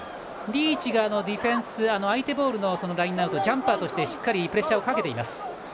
リーチがディフェンス相手ボールのラインアウトでジャンパーとしてしっかりプレッシャーをかけています。